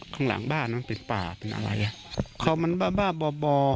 ข้างหลังบ้านมันเป็นป่าเป็นอะไรเขามันบ้าบ้าบ่อบ่อ